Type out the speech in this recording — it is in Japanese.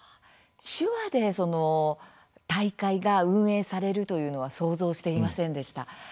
手話で大会が運営されるというのは想像していませんでした。